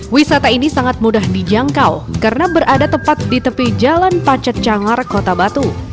wisata ini sangat mudah dijangkau karena berada tepat di tepi jalan pacet cangar kota batu